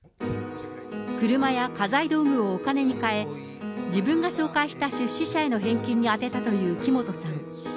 車や家財道具をお金に換え、自分が紹介した出資者への返金に充てたという木本さん。